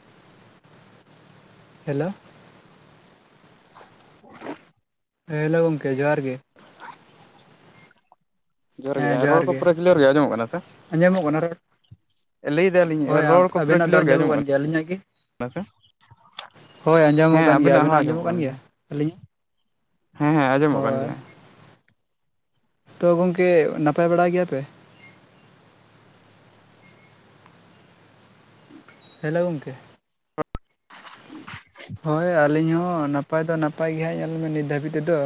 [unintelligible] Hello. [unintelligible] Hello ᱜᱚᱝᱠᱮ ᱡᱚᱦᱟᱨ ᱜᱮ᱾ ᱡᱚᱦᱟᱨ ᱜᱮ ᱨᱚᱲ ᱠᱚ ᱯᱩᱨᱟᱹ ᱠᱞᱤᱭᱟᱨ ᱜᱮ ᱟᱸᱡᱚᱢᱚᱜ ᱠᱟᱱᱟ ᱥᱮ? ᱟᱸᱡᱟᱢᱚᱜ ᱠᱟᱱᱟ ᱨᱚᱲ? ᱞᱟᱹᱭ ᱫᱟᱞᱤᱧ ᱦᱳᱭ ᱨᱚᱲ ᱠᱚ ᱯᱩᱨᱟᱹ ᱟᱵᱮᱱᱟᱜ ᱫᱚ ᱠᱞᱤᱭᱟᱨ ᱜᱮ ᱟᱸᱡᱚᱢᱚᱜ ᱠᱟᱱ ᱜᱮᱭᱟ᱾ ᱟᱹᱞᱤᱧᱟᱜ ᱜᱮ? ᱠᱟᱱᱟ ᱥᱮ ᱦᱳᱭ ᱟᱸᱡᱚᱢᱚᱜ ᱠᱟᱱ ᱜᱮᱭᱟ ᱟᱵᱮᱱᱟᱜ ᱟᱸᱡᱚᱢᱚᱜ ᱠᱟᱱ ᱜᱮᱭᱟ᱾ ᱟᱹᱞᱤᱧᱤᱡ ᱦᱮᱸ ᱦᱮᱸ ᱟᱸᱡᱚᱢᱚᱜ ᱠᱟᱱ ᱜᱮᱭᱟ᱾ ᱛᱚ ᱜᱚᱝᱠᱮ ᱱᱟᱯᱟᱭ ᱵᱟᱲᱟ ᱜᱮᱭᱟ ᱯᱮ? ᱦᱮᱞᱳ ᱜᱚᱢᱠᱮ᱾ [unintelligible] ᱦᱳᱭ ᱟᱹᱞᱤᱧ ᱦᱚᱸ ᱱᱟᱯᱟᱭ ᱫᱚ ᱱᱟᱯᱟᱭ ᱜᱮᱦᱟᱸᱜ, ᱧᱮᱞ ᱢᱮ ᱱᱤᱛ ᱫᱷᱟᱹᱵᱤᱡ ᱛᱮᱫᱚ᱾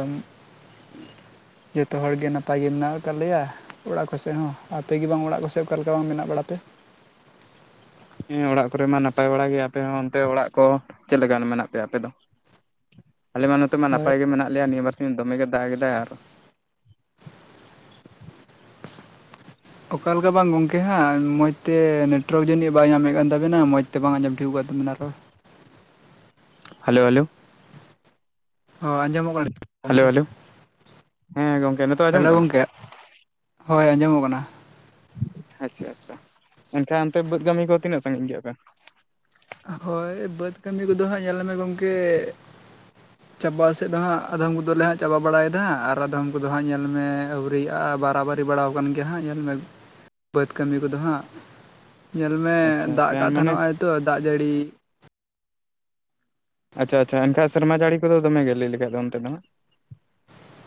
ᱡᱚᱛᱚ ᱦᱚᱲᱜᱮ ᱱᱟᱯᱟᱭ ᱜᱮ ᱢᱮᱱᱟᱜ ᱠᱟᱜ ᱞᱮᱭᱟ᱾ ᱚᱲᱟᱜ ᱠᱚᱥᱮᱜ ᱦᱚᱸ ᱟᱯᱮ ᱜᱮ ᱵᱟᱝ ᱚᱲᱟᱜ ᱠᱚ ᱥᱮᱡ ᱚᱠᱟ ᱞᱮᱠᱟ ᱵᱟᱝ ᱢᱮᱱᱟᱜ ᱵᱟᱲᱟ ᱯᱮ? ᱦᱮᱸ ᱚᱲᱟᱜ ᱠᱚᱨᱮ ᱢᱟ ᱱᱟᱯᱟᱭ ᱵᱟᱲᱟ ᱜᱮᱭᱟ ᱟᱯᱮ ᱦᱚᱸ ᱚᱱᱛᱮ ᱚᱲᱟᱜ ᱠᱚ ᱪᱮᱫ ᱞᱮᱠᱟᱱ ᱢᱮᱱᱟᱜ ᱯᱮᱭᱟ ᱟᱯᱮ ᱫᱚ? ᱟᱞᱮ ᱢᱟ ᱱᱚᱛᱮ ᱢᱟ ᱦᱳᱭ ᱱᱟᱯᱟᱭ ᱜᱮ ᱢᱮᱱᱟᱜ ᱞᱮᱭᱟ ᱱᱤᱭᱟᱹ ᱵᱟᱨ ᱥᱤᱧ ᱫᱚᱢᱮᱜᱮ ᱫᱟᱜ ᱠᱮᱫᱟᱭ ᱟᱨᱚ ᱚᱠᱟᱞᱮᱠᱟ ᱵᱟᱝ ᱜᱚᱝᱠᱮ ᱦᱟᱸᱜ ᱢᱚᱡᱽ ᱛᱮ ᱱᱮᱴᱣᱟᱨᱠ ᱡᱟᱹᱱᱤᱡ ᱵᱟᱭ ᱧᱟᱢᱮᱫ ᱠᱟᱱ ᱛᱟᱵᱤᱱᱟ ᱢᱚᱡᱽ ᱛᱮ ᱵᱟᱝ ᱟᱸᱡᱚᱢ ᱴᱷᱤᱣᱠᱟᱹᱜ ᱠᱟᱱ ᱛᱟᱵᱮᱱᱟ ᱨᱚᱲ᱾ Hello hello. ᱚᱻ ᱟᱸᱡᱚᱢᱚᱜ ᱠᱟᱱᱟ ᱦᱮᱞᱳ ᱜᱚᱢᱠᱮ, ᱦᱮᱞᱳ ᱦᱮᱸ ᱜᱚᱝᱠᱮ ᱱᱤᱛᱚᱜ ᱦᱮᱞᱳ ᱟᱸᱡᱚᱢᱚᱜ ᱠᱟᱱᱟ ᱜᱚᱢᱠᱮ᱾ ᱦᱳᱭ ᱟᱸᱡᱚᱢᱚᱜ ᱠᱟᱱᱟ᱾ ᱟᱪᱪᱷᱟ ᱟᱪᱪᱷᱟ ᱮᱱᱠᱷᱟᱱ ᱚᱱᱛᱮ ᱵᱟᱹᱫᱽ ᱠᱟᱹᱢᱤ ᱠᱚ ᱛᱤᱱᱟᱹᱜ ᱥᱟᱺᱜᱤᱧ ᱠᱮᱜᱼᱟ ᱯᱮ? ᱦᱳᱭ ᱵᱟᱹᱫᱽ ᱠᱟᱹᱢᱤ ᱠᱚᱫᱚ ᱦᱟᱸᱜ ᱧᱮᱞᱢᱮ ᱜᱚᱢᱠᱮ [unintelligible] ᱪᱟᱵᱟ ᱥᱮᱫ ᱫᱚ ᱦᱟᱸᱜ ᱟᱫᱚᱢ ᱠᱚᱫᱚᱞᱮ ᱦᱟᱸᱜ ᱪᱟᱵᱟ ᱵᱟᱲᱟᱭ ᱫᱟ ᱟᱨ ᱟᱫᱚᱢ ᱠᱚᱫᱚ ᱦᱟᱸᱜ ᱧᱮᱞᱢᱮ ᱟᱹᱣᱨᱤᱭᱟᱜᱼᱟ ᱵᱟᱨᱟᱵᱟᱨᱤ ᱵᱟᱲᱟᱣ ᱠᱟᱱ ᱜᱮᱭᱟ ᱦᱟᱸᱜ ᱧᱮᱞ ᱢᱮ ᱵᱟᱹᱫᱽ ᱠᱟᱹᱢᱤ ᱠᱚᱫᱚ ᱦᱟᱸᱜ᱾ ᱧᱮᱞ ᱢᱮ ᱟᱪᱪᱷᱟ ᱫᱟᱜ ᱟᱪᱪᱷᱟ ᱠᱟᱜ ᱛᱟᱦᱮ ᱢᱟᱱᱮ ᱱᱚᱜ ᱚᱳᱭ ᱛᱚ ᱫᱟᱜ ᱡᱟᱹᱲᱤ ᱟᱪᱪᱷᱟ ᱟᱪᱪᱷᱟ ᱮᱱᱠᱷᱟᱡ ᱥᱮᱨᱢᱟ ᱡᱟᱹᱲᱤ ᱠᱚᱫᱚ ᱫᱚᱢᱮ ᱜᱮ ᱞᱟᱹᱭ ᱠᱟᱠᱷᱟᱡ ᱫᱚ ᱚᱱᱛᱮ ᱫᱚ ᱦᱟᱸᱜ ᱾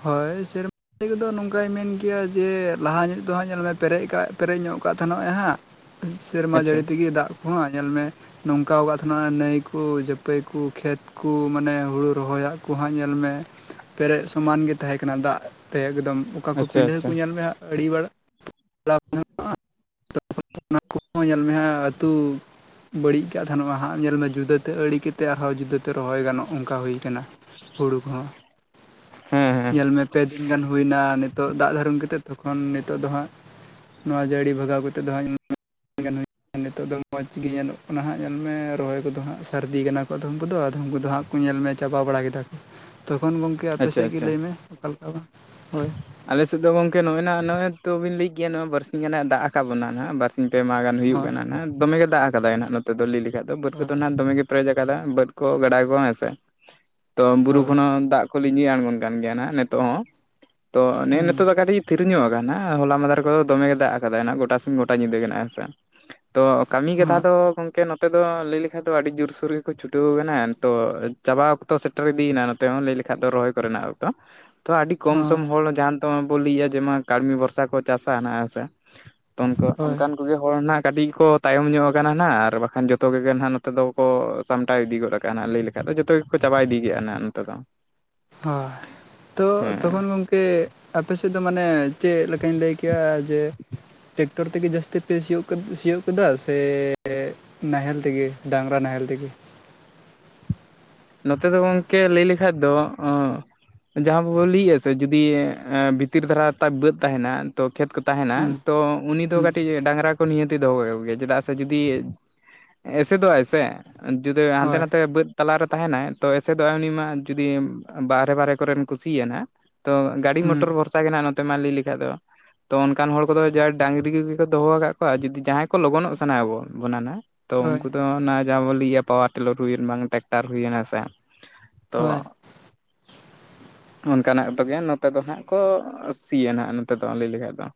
ᱦᱳᱭ ᱥᱮᱨ [unintelligible] ᱠᱚᱫᱚ ᱱᱚᱝᱠᱟᱭ ᱢᱮᱱ ᱠᱮᱭᱟ ᱡᱮ ᱞᱟᱦᱟ ᱧᱚᱜ ᱫᱚᱦᱟᱸᱜ ᱧᱮᱞᱢᱮ ᱯᱮᱨᱮᱡ ᱠᱟᱜ ᱯᱮᱨᱮᱡ ᱧᱚᱜ ᱠᱟᱜ ᱛᱟᱦᱮᱱᱚᱜᱼᱮ ᱦᱟᱸᱜ ᱥᱮᱨᱢᱟ ᱟᱪᱪᱷᱟ ᱡᱟᱹᱲᱤ ᱛᱮᱜᱮ ᱫᱟᱜ ᱠᱚᱦᱟᱸᱜ ᱧᱮᱞ ᱢᱮ ᱱᱚᱝᱠᱟᱣ ᱠᱟᱜ ᱛᱟᱦᱮᱱᱚᱜ-ᱮ ᱱᱟᱹᱭ ᱠᱚ ᱡᱟᱹᱯᱟᱹᱭ ᱠᱚ ᱠᱷᱮᱛ ᱠᱚ ᱢᱟᱱᱮ ᱦᱩᱲᱩ ᱨᱚᱦᱚᱭᱟᱜ ᱠᱚ ᱦᱟᱸᱜ ᱧᱮᱞ ᱢᱮ, ᱯᱮᱨᱮᱡ ᱥᱚᱢᱟᱱ ᱜᱮ ᱛᱟᱦᱮᱸ ᱠᱟᱱᱟ ᱫᱟᱜ ᱛᱮ ᱮᱠᱫᱚᱢ ᱚᱠᱟ ᱠᱚ ᱟᱪᱪᱷᱟ ᱯᱤᱰᱟᱹ ᱟᱪᱪᱷᱟ ᱠᱚ ᱧᱮᱞ ᱢᱮ ᱟᱲᱤᱵᱟᱲᱟ ᱚᱱᱟ ᱠᱚ ᱧᱮᱞ ᱢᱮ ᱦᱟᱸᱜ ᱟᱹᱛᱩ ᱵᱟᱹᱲᱤᱡ ᱠᱟᱜ ᱛᱟᱦᱮᱱ ᱚᱱᱟ ᱦᱟᱜ ᱧᱮᱞ ᱢᱮ ᱡᱩᱫᱟᱹᱛᱮ ᱟᱲᱮ ᱠᱮᱫᱛᱮ ᱟᱨᱦᱚᱸ ᱡᱩᱫᱟᱹᱛᱮ ᱨᱚᱦᱚᱭ ᱜᱟᱱᱚᱜ ᱚᱱᱠᱟ ᱦᱩᱭ ᱠᱟᱱᱟ ᱦᱩᱲᱩ ᱠᱚᱦᱚᱸ ᱦᱮᱸ ᱦᱮᱸ ᱧᱮᱞᱢᱮ ᱯᱮ ᱫᱤᱱ ᱜᱟᱱ ᱦᱩᱭᱱᱟ ᱱᱤᱛᱚᱜ ᱫᱟᱜ ᱫᱷᱟᱨᱩᱢ ᱠᱟᱛᱮᱫ ᱛᱚᱠᱷᱚᱱ ᱱᱤᱛᱚᱜ ᱫᱚ ᱦᱟᱸᱜ ᱱᱚᱣᱟ ᱡᱟᱹᱲᱤ ᱞᱟᱜᱟᱣ ᱠᱟᱛᱮᱫ ᱫᱚ ᱦᱟᱸᱜ [unintelligible] ᱟᱨ ᱱᱤᱛᱚᱜ ᱫᱚ ᱢᱚᱡᱽ ᱜᱮ ᱧᱮᱞᱚᱜ ᱠᱟᱱᱟ ᱦᱟᱸᱜ ᱧᱮᱞᱢᱮ ᱨᱚᱦᱚᱭ ᱠᱚᱫᱚ ᱦᱟᱸᱜ ᱥᱟᱹᱨᱫᱤ ᱠᱟᱱᱟ ᱠᱚ ᱟᱫᱚᱢ ᱠᱚᱫᱚ ᱟᱫᱚᱢ ᱠᱚᱫᱚ ᱦᱟᱸᱜ ᱠᱚ ᱧᱮᱞ ᱢᱮ ᱪᱟᱵᱟ ᱵᱟᱲᱟ ᱠᱮᱫᱟ ᱠᱚ ᱛᱚᱠᱷᱚᱱ ᱜᱚᱝᱠᱮ ᱟᱪᱪᱷᱟ ᱟᱯᱮᱥᱮᱫ ᱜᱮ ᱟᱪᱪᱷᱟ ᱞᱟᱹᱭᱢᱮ ᱚᱠᱟᱞᱮᱠᱟ ᱵᱟᱝ ᱦᱳᱭ? ᱟᱞᱮ ᱥᱮᱫ ᱫᱚ ᱜᱚᱝᱠᱮ ᱱᱚᱜᱼᱚᱭ ᱱᱟᱦᱟᱸᱜ ᱱᱚᱜᱼᱚᱭ ᱛᱚᱵᱤᱱ ᱞᱟᱹᱭ ᱠᱮᱭᱟ ᱱᱚᱜ-ᱚᱭ ᱵᱟᱨ ᱥᱤᱧ ᱜᱟᱱ ᱱᱟᱦᱟᱜ ᱫᱟᱜ ᱠᱟᱜ ᱵᱚᱱᱟ ᱵᱟᱨᱥᱤᱧ ᱯᱮ ᱢᱟᱦᱟ ᱜᱟᱱ᱾ ᱦᱩᱭᱩᱜ ᱦᱳᱭ ᱠᱟᱱᱟ ᱱᱟᱜ ᱫᱚᱢᱮᱜᱮ ᱫᱟᱜ ᱟᱠᱟᱫᱟᱭ ᱱᱟᱦᱟᱜ ᱱᱚᱛᱮ ᱫᱚ ᱞᱟᱹᱭ ᱞᱮᱠᱷᱟᱡ ᱫᱚ ᱵᱟᱹᱫ ᱦᱳᱭ ᱫᱚ ᱱᱟᱦᱟᱜ ᱫᱚᱢᱮ ᱜᱮ ᱯᱮᱨᱮᱡ ᱟᱠᱟᱫᱟ ᱵᱟᱹᱫᱽ ᱠᱚ ᱜᱟᱰᱟ ᱠᱚ ᱦᱮᱸᱥᱮ ᱛᱚ ᱵᱩᱨᱩ ᱦᱳᱭ ᱠᱷᱚᱱ ᱦᱚᱸ ᱫᱟᱜ ᱠᱚ ᱞᱤᱧᱡᱤ ᱟᱬᱜᱚᱱ ᱠᱟᱱ ᱜᱮᱭᱟ ᱱᱦᱟᱜ ᱱᱤᱛᱚᱜ ᱦᱚᱸ ᱛᱚ ᱱᱮ ᱮ ᱦᱩᱸ ᱱᱤᱛᱚᱜ ᱠᱟᱹᱴᱤᱡ ᱛᱷᱤᱨᱩᱧᱚᱜ ᱟᱠᱟᱱᱟ ᱦᱚᱞᱟ ᱢᱟᱫᱟᱨ ᱠᱚᱫᱚ ᱫᱚᱢᱮ ᱜᱮ ᱫᱟᱜ ᱠᱟᱫᱟᱭ ᱜᱚᱴᱟ ᱥᱮᱱ ᱜᱚᱴᱟ ᱧᱤᱫᱟᱹ ᱜᱮ ᱱᱟᱜ ᱦᱮᱸ ᱥᱮ ᱛᱚ ᱠᱟᱹᱢᱤ ᱠᱟᱛᱷᱟ ᱦᱳᱭ ᱫᱚ ᱜᱚᱝ ᱠᱮ ᱱᱚᱛᱮ ᱫᱚ ᱞᱟᱹᱭ ᱞᱮᱠᱷᱟᱡ ᱫᱚ ᱟᱹᱰᱤ ᱡᱳᱨᱥᱳᱨ ᱜᱮᱠᱚ ᱪᱷᱩᱴᱟᱹᱣ ᱠᱟᱱᱟ ᱱᱤᱛᱚ ᱪᱟᱵᱟ ᱚᱠᱛᱚ ᱥᱮ ᱴᱮᱨ ᱤᱫᱤᱭᱮᱱᱟ ᱱᱚᱛᱮ ᱦᱚᱸ ᱞᱟᱹᱭ ᱞᱮᱠᱷᱟᱡ ᱫᱚ ᱨᱚᱦᱚᱭ ᱠᱚᱨᱮᱱᱟᱜ ᱚᱠᱛᱚ ᱛᱚ ᱟᱹᱰᱤ ᱦᱳᱭ ᱠᱚᱢ ᱥᱚᱢ ᱦᱚᱲ ᱡᱟᱦᱟᱸ ᱛᱮᱢ ᱵᱚᱱ ᱞᱟᱹᱭᱭᱟ ᱡᱮᱢᱟ ᱠᱟᱹᱲᱢᱤ ᱵᱷᱚᱨᱥᱟ ᱠᱚ ᱪᱟᱥᱟ ᱱᱟᱦᱜ ᱦᱮᱸᱥᱮ ᱛᱚ ᱚᱱᱠᱩ ᱦᱳᱭ ᱚᱱᱠᱟᱱ ᱠᱚ ᱜᱮ ᱦᱚᱲ ᱱᱟᱦᱟᱜ ᱠᱟᱴᱤᱡ ᱠᱚ ᱛᱟᱭᱚᱢ ᱧᱚᱜ ᱟᱠᱟᱱᱟ ᱱᱟᱦᱟᱜ ᱟᱨ ᱵᱟᱠᱷᱟᱱ ᱡᱚᱛᱚᱜᱮ ᱱᱟᱦᱟᱜ ᱱᱚᱛᱮ ᱫᱚᱠᱚ ᱥᱟᱢᱴᱟᱣ ᱤᱫᱤ ᱜᱚᱫ ᱚᱱᱠᱟᱱᱟᱜ ᱞᱟᱹᱭ ᱞᱮᱠᱷᱟᱱ ᱫᱚ ᱡᱚᱛᱚ ᱜᱮᱠᱚ ᱪᱟᱵᱟ ᱤᱫᱤᱭᱮᱫᱟ ᱱᱟᱦᱟᱜ ᱱᱚᱛᱮ ᱫᱚ᱾ ᱦᱳᱭ᱾ ᱛᱚ ᱦᱮᱸ ᱛᱚᱠᱷᱚᱱ ᱜᱚᱢᱠᱮ ᱟᱯᱮ ᱥᱮᱫ ᱫᱚ ᱢᱟᱱᱮ ᱪᱮᱫ ᱞᱮᱠᱟᱧ ᱞᱟᱹᱭ ᱠᱮᱭᱟ ᱡᱮ ᱴᱮᱠᱴᱚᱨ ᱛᱮᱜᱮ ᱡᱟᱹᱥᱛᱤ ᱯᱮ ᱥᱤᱭᱳᱜ ᱥᱤᱭᱳᱜ ᱠᱮᱫᱟ ᱥᱮ ᱱᱟᱦᱮᱞ ᱛᱮᱜᱮ ᱰᱟᱝᱜᱨᱟ ᱱᱟᱦᱮᱞ ᱛᱮᱜᱮ᱾ ᱱᱚᱛᱮ ᱫᱚ ᱜᱚᱝᱠᱮ ᱞᱟᱹᱭ ᱞᱮᱠᱷᱟᱡ ᱫᱚ᱾ ᱡᱟᱦᱟᱸ [unintelligible] ᱥᱮ ᱡᱩᱫᱤ ᱵᱷᱤᱛᱤᱨ ᱫᱷᱟᱨᱟ ᱛᱟ ᱵᱟᱹᱫ ᱛᱟᱦᱮᱱᱟ ᱛᱚ ᱠᱷᱮᱛ ᱠᱚ ᱛᱟᱦᱮᱱᱟ ᱦᱩᱸ ᱛᱚ ᱩᱱᱤ ᱫᱚ ᱦᱩᱸ ᱠᱟᱹᱴᱤᱡ ᱠᱟᱹᱴᱤᱡ ᱰᱟᱝᱨᱟ ᱠᱚ ᱱᱤᱦᱟᱹᱛᱮ ᱫᱚᱦᱚ ᱟᱠᱜᱮᱭᱟ ᱪᱮᱫᱟᱜ ᱥᱮ ᱡᱩᱫᱤ ᱮᱥᱮᱫᱚᱜᱟᱭ ᱥᱮ ᱡᱩᱫᱤ ᱦᱟᱱᱛᱮ ᱦᱳᱭ ᱱᱟᱛᱮ ᱵᱟᱹᱫᱽ ᱛᱟᱞᱟ ᱨᱮ ᱛᱟᱦᱮᱱᱟᱭ ᱛᱚ ᱮᱥᱮᱫᱚᱜ ᱟᱭ ᱩᱱᱤ ᱢᱟ ᱡᱩᱫᱤ ᱵᱟᱦᱨᱮ ᱵᱟᱦᱨᱮ ᱠᱚᱨᱮᱱ ᱠᱚ ᱥᱤᱭᱟ ᱱᱟᱦᱟᱜ ᱛᱚ ᱜᱟᱹᱰᱤ ᱦᱩᱸ ᱢᱚᱴᱚᱨ ᱵᱷᱚᱨᱥᱟ ᱜᱮ ᱱᱟᱜ ᱱᱚᱛᱮ ᱢᱟ ᱞᱟᱹᱭ ᱞᱮᱠᱷᱟᱡ ᱫᱚ᱾ ᱛᱚ ᱚᱱᱠᱟᱱ ᱦᱚᱲ ᱠᱚᱫᱚ ᱡᱟ ᱰᱟᱝᱨᱤ ᱠᱚᱜᱮ ᱠᱚ ᱫᱚᱦᱚ ᱠᱟᱫ ᱠᱚᱣᱟ ᱡᱩᱫᱤ ᱡᱟᱦᱟᱸᱭ ᱠᱚ ᱞᱚᱜᱚᱱᱚᱜ ᱥᱟᱱᱟ ᱟᱵᱚᱱ ᱵᱚᱱᱟᱱᱟᱜ ᱛᱚ ᱦᱳᱭ ᱩᱱᱠᱩ ᱫᱚ ᱚᱱᱟ ᱡᱟᱦᱟᱸ ᱵᱚᱱ ᱤᱭᱟᱹ ᱯᱟᱣᱟᱨ ᱴᱤᱞᱟᱨ ᱦᱩᱭᱮᱱ ᱵᱟᱝ ᱴᱨᱟᱠᱴᱟᱨ ᱦᱩᱭᱱᱟ ᱥᱮ ᱛᱚ ᱦᱳᱭ ᱚᱱᱠᱟᱱᱟᱜ ᱛᱮᱜᱮ ᱱᱚᱛᱮ ᱫᱚ ᱦᱟᱸᱜ ᱠᱚ ᱥᱤᱭᱟ ᱱᱟᱜ ᱱᱚᱛᱮ ᱫᱚ ᱞᱟᱹᱭ ᱞᱮᱠᱟᱱ ᱫᱚ᱾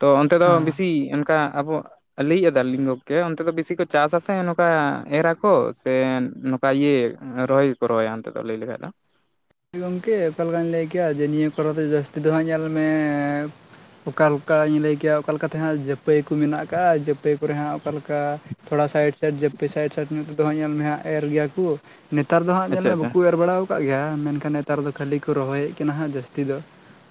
ᱛᱚ ᱚᱱᱛᱮ ᱫᱚ ᱵᱤᱥᱤ ᱦᱮᱸ ᱚᱱᱠᱟ ᱟᱵᱚᱣᱟᱜ ᱞᱟᱹᱭ ᱮᱫᱟ ᱞᱤᱝ ᱜᱚᱝᱠᱮ ᱚᱱᱛᱮ ᱫᱚ ᱵᱤᱥᱤ ᱠᱚ ᱪᱟᱥ ᱟᱥᱮ ᱱᱚᱝᱠᱟ ᱮᱨᱟ ᱠᱚ ᱥᱮ ᱱᱚᱝᱠᱟ ᱤᱭᱟᱹᱼ- ᱨᱚᱦᱚᱭ ᱜᱮᱠᱚ ᱨᱚᱦᱚᱭᱟ ᱚᱱᱛᱮ ᱫᱚ ᱞᱟᱹᱭ ᱞᱮᱠᱷᱟᱡ ᱫᱚ᱾ ᱜᱚᱝᱠᱮ ᱚᱠᱟ ᱞᱮᱠᱟᱧ ᱞᱟᱹᱭ ᱠᱮᱭᱟ ᱡᱮ ᱱᱤᱭᱟᱹ ᱠᱚᱨᱮ ᱫᱚ ᱡᱟᱹᱥᱛᱤ ᱫᱚ ᱦᱟᱸᱜ ᱧᱮᱞ ᱢᱮ ᱚᱠᱟ ᱞᱮᱠᱟᱧ ᱞᱟᱹᱭ ᱠᱮᱭᱟ ᱚᱠᱟ ᱞᱮᱠᱟᱛᱮᱦᱟᱸᱜ ᱡᱟᱹᱯᱟᱹᱭ ᱠᱚ ᱢᱮᱱᱟᱜ ᱠᱟᱜ-ᱟ᱾ ᱡᱟᱹᱯᱟᱹᱭ ᱠᱚᱨᱮ ᱦᱟᱸᱜ ᱚᱠᱟᱞᱮᱠᱟ ᱛᱷᱚᱲᱟ ᱥᱟᱭᱤᱴᱥᱟᱭᱤᱴ ᱡᱟᱯᱥᱟᱭᱤᱴ ᱥᱟᱭᱤᱰᱧᱚᱜ ᱛᱮ ᱫᱚ ᱦᱟᱜ ᱧᱮᱞ ᱢᱮ ᱦᱟᱜ ᱮᱨ ᱜᱮᱭᱟ ᱠᱩ᱾ ᱱᱮᱛᱟᱨ ᱫᱚ ᱦᱟᱸᱜ ᱧᱮᱞ ᱟᱪᱪᱷᱟ ᱢᱮ ᱟᱪᱪᱷᱟ ᱵᱟᱠᱚ ᱮᱨ ᱵᱟᱲᱟᱣ ᱠᱟᱜ ᱜᱮᱭᱟ ᱢᱮᱱᱠᱷᱟᱱ ᱱᱮᱛᱟᱨ ᱫᱚ ᱠᱷᱟᱹᱞᱤ ᱠᱚ ᱨᱚᱦᱚᱭᱮᱫ ᱠᱟᱱᱟ ᱦᱟᱸᱜ ᱡᱟᱹᱥᱛᱤ ᱫᱚ